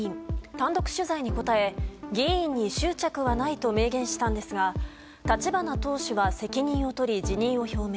単独取材に答え議員に執着はないと明言したんですが立花党首は責任を取り辞任を表明。